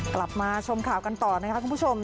กลับมาชมข่าวกันต่อนะคะคุณผู้ชม